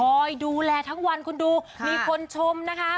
ดูแลทั้งวันคุณดูมีคนชมนะคะ